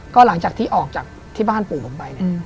ก็หลังจากที่ออกจากที่บ้านปู่ผมไปเนี่ย